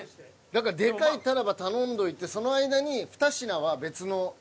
だからデカいタラバ頼んどいてその間に２品は別の。